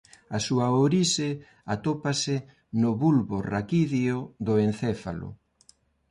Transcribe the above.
A súa orixe atópase no bulbo raquídeo do encéfalo.